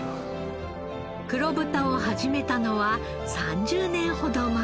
黒豚を始めたのは３０年ほど前。